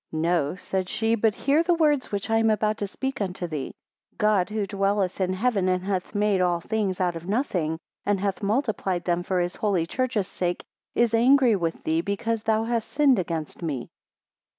No, said she: but hear the words which I am about to speak unto thee. God who dwelleth in heaven, and hath made all things out of nothing, and hath multiplied them for his holy church's sake, is angry with thee because thou hast sinned against me.